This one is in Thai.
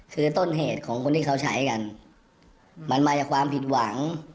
คือต้นเหตุของคนที่เขาใช้กันมันมาจากความผิดหวัง